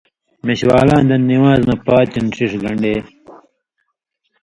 میشوالاں دن نِوان٘ز مہ پاتیوں ݜِݜ گن٘ڈے